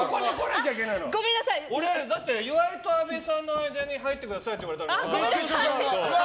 だって、岩井と阿部さんの間に入ってくださいって言われたから。